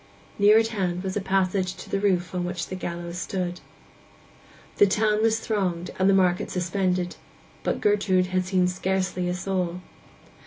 Near at hand was a passage to the roof on which the gallows stood. The town was thronged, and the market suspended; but Gertrude had seen scarcely a soul.